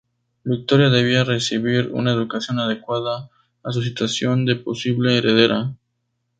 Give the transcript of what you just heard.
Victoria debía recibir una educación adecuada a su situación de posible heredera.